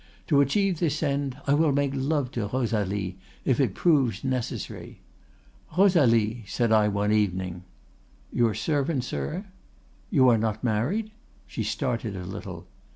To achieve this end, I will make love to Rosalie if it proves necessary.' "'Rosalie!' said I one evening. "'Your servant, sir?' "'You are not married?' She started a little.